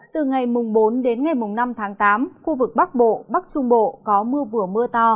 từ ngày bốn đến ngày năm tháng tám khu vực bắc bộ bắc trung bộ có mưa vừa mưa to